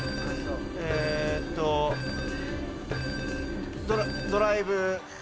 えーっとドラドライブ。